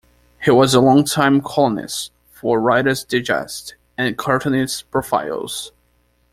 He was a long-time columnist for "Writer's Digest" and "Cartoonist Profiles".